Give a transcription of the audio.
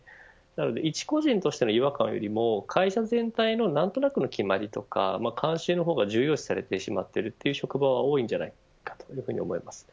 一個人としての違和感よりも会社全体の何となく決まりとか慣習の方が重要視されてしまっているという職場は多いんじゃないかと思います。